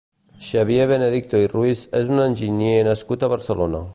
Xavier Benedicto i Ruiz és un enginyer nascut a Barcelona.